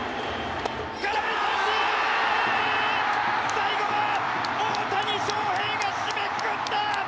最後は大谷翔平が締めくくった！